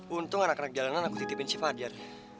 untung anak anak jalanan aku titipin si fadjar